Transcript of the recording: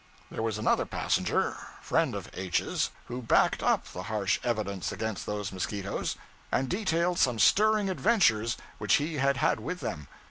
There was another passenger friend of H.'s who backed up the harsh evidence against those mosquitoes, and detailed some stirring adventures which he had had with them.